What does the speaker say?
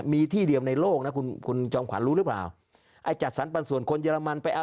มีที่เดียวในโลกนะคุณคุณจอมขวัญรู้หรือเปล่าไอ้จัดสรรปันส่วนคนเยอรมันไปเอา